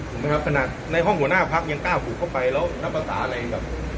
เห็นไหมครับขณะในห้องหัวหน้าพรรคยังกล้าหูกเข้าไปแล้วนับประสาทอะไรนะครับ